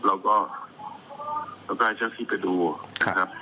เราก็จ้าขี้ไปดูนะครับ